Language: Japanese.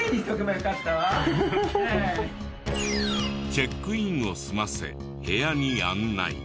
チェックインを済ませ部屋に案内。